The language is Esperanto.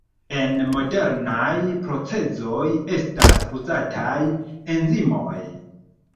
En modernaj procezoj estas uzataj enzimoj.